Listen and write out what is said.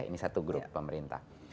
ini satu grup pemerintah